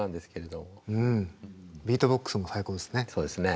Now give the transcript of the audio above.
うんビートボックスも最高ですね。